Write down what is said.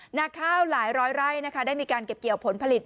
หน้าข้าวหลายร้อยไร่นะคะได้มีการเก็บเกี่ยวผลผลิต